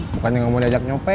bukannya gak mau diajak nyopet